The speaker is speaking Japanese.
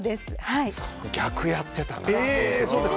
逆やってたな。